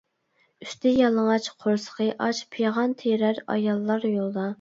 ئۈستى يالىڭاچ قورسىقى ئاچ پىغان تىرەر ئاياللار يولدا.